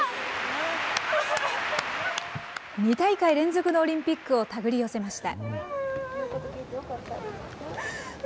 ２大会連続のオリンピックをたぐり寄せました。